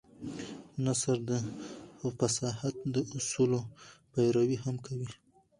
نثر د فصاحت د اصولو پيروي هم کوي.